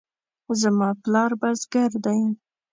زما پلار بزګر دی